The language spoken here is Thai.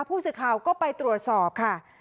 ผู้สื่อข่าวก็ไปตรวจสอบค่ะ